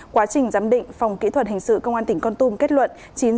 quá trình giám định phòng kỹ thuật hình sự công an tỉnh con tum kết luận